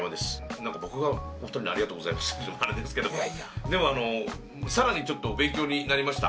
なんか僕がお二人に「ありがとうございます」って言うのもあれですけどでもあの更にちょっと勉強になりました。